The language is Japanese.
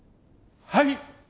はい！